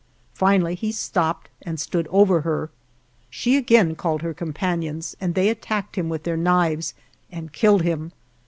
Finally he stopped and stood over her. She again called her companions and they attacked him with their knives and killed him.